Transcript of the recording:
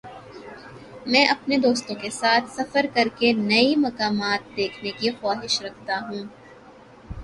میں اپنے دوستوں کے ساتھ سفر کر کے نئی مقامات دیکھنے کی خواہش رکھتا ہوں۔